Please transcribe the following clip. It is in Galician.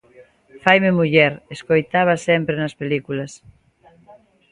Faime muller, escoitaba sempre nas películas.